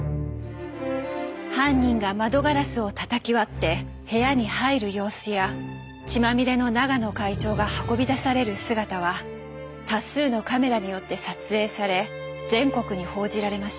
犯人が窓ガラスをたたき割って部屋に入る様子や血まみれの永野会長が運び出される姿は多数のカメラによって撮影され全国に報じられました。